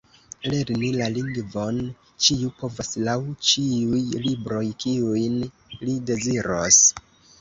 Lerni la lingvon ĉiu povas laŭ ĉiuj libroj, kiujn li deziros.